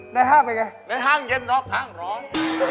ห้างเป็นไงในห้างเย็นน็อกห้างร้อง